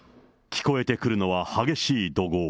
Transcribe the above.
聞こえてくるのは激しい怒号。